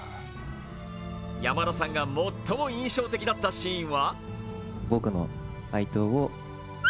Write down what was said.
山田さんが最も印象的だったシーンは？